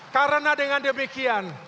karena dengan demikian